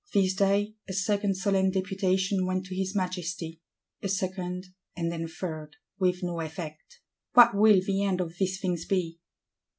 This day, a second solemn Deputation went to his Majesty; a second, and then a third: with no effect. What will the end of these things be?